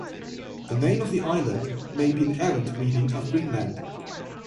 The name of the island may be an errant reading of Greenland.